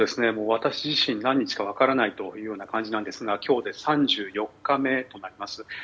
私自身何日か分からない感じですが今日で３４日目となります。